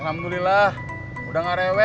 alhamdulillah udah gak rewel